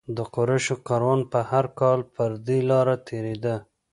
د قریشو کاروان به هر کال پر دې لاره تېرېده.